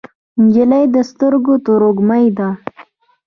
نجلۍ د سترګو تروږمۍ ده.